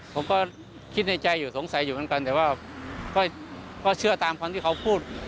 ผมก็คิดในใจอยู่สงสัยอยู่เหมือนกันแต่ว่าก็เชื่อตามคำที่เขาพูด